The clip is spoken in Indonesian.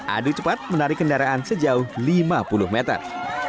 adu cepat menarik kendaraan sejauh lima puluh meter